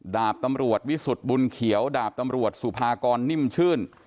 ดาบตำรวจวิสุทธิ์บุญเขียวดาบตำรวจสุภากรนิ่มชื่น